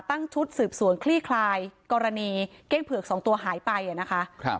ตั้งชุดสืบสวนคลี่คลายกรณีเก้งเผือกสองตัวหายไปอ่ะนะคะครับ